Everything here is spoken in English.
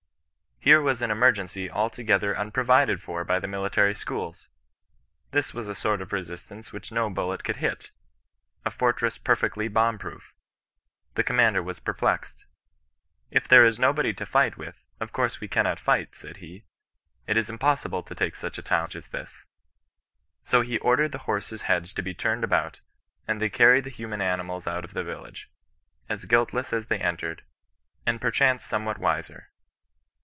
Here was an emergency altogether unprovided for b^ the military schools. This was a sort of resistance wmch no bullet could hit ; a fortress perfectly bomb proof. The com mander was perplexed. ' If there is nobody to fight with, of course we cannot fight,' said he. ' It is impos sible to take such a town as this.' So he ordered ths^ ] 24 CHRISTIAN NON RESISTANCE. horses* heads to be turned about, and they carried the human animals out of the village, as guiltless as they entered, and perchance somewhat wiser.